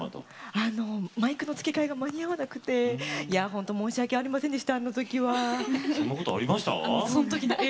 マイクの付け替えが間に合わなくて本当、申し訳ありませんでした。